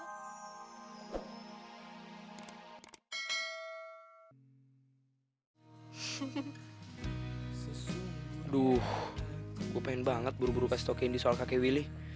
aduh gue pengen banget buru buru kasih tau candy soal kakek willy